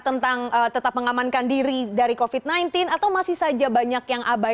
tentang tetap mengamankan diri dari covid sembilan belas atau masih saja banyak yang abai